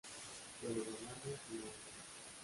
Pero ganamos y nada más.